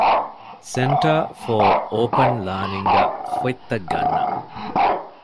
ސެންޓަރ ފޯރ އޯޕަން ލާނިންގއަށް ފޮތްތައް ގަންނަން